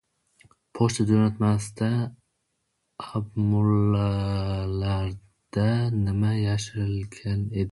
Pochta jo‘natmasidagi apmulalarda nima yashirilgan edi?